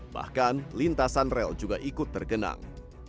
bahkan lintasan rel juga ikut tergenang